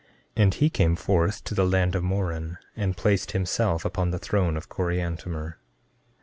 14:6 And he came forth to the land of Moron, and placed himself upon the throne of Coriantumr.